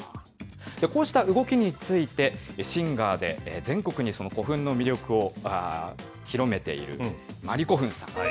こうした動きについて、シンガーで、全国にその古墳の魅力を広めている、まりこふんさん。